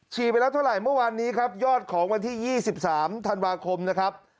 ไปแล้วเท่าไหร่เมื่อวานนี้ครับยอดของวันที่๒๓ธันวาคมนะครับ